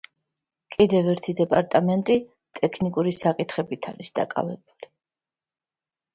კიდევ ერთი დეპარტამენტი ტექნიკური საკითხებით არის დაკავებული.